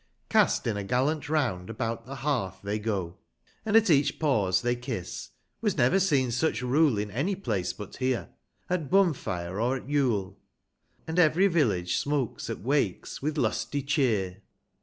Cast in a gallant Kound about the hearth they go, 250 And at each pause they kiss, was never seen such rule In any place but here, at Ijoon fire, or at Yule ; And every village smokes at Wakes with lusty cheer.